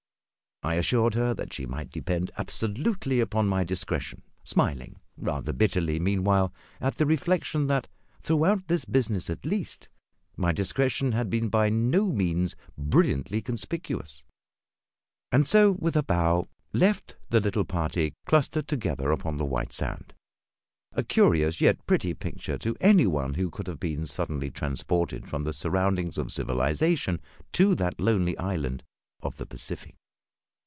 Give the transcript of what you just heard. I assured her that she might depend absolutely upon my discretion smiling, rather bitterly, meanwhile, at the reflection that, throughout this business at least, my discretion had been by no means brilliantly conspicuous and so, with a bow, left the little party clustered together upon the white sand; a curious, yet pretty, picture to any one who could have been suddenly transported from the surroundings of civilisation to that lonely island of the Pacific.